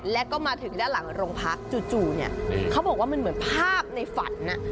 แล้วก็มาถึงด้านหลังโรงพักจู่เนี่ยเขาบอกว่ามันเหมือนภาพในฝัน